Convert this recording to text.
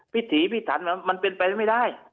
พิถีพิถันมันเป็นไปไม่ได้